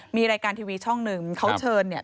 มีรายการทีวีช่องหนึ่งเขาเชิญเนี่ย